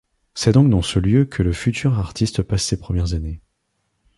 C'est donc dans ce lieu que le futur artiste passe ses premières années.